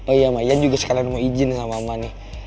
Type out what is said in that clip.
oh iya ma yan juga sekarang mau izin sama mama nih